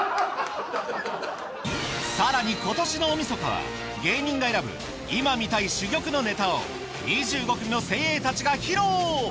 さらに今年の大晦日は芸人が選ぶ今見たい珠玉のネタを２５組の精鋭たちが披露！